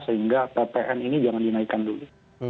sehingga ppn ini jangan dinaikkan dulu